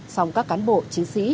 xong các cán bộ chiến sĩ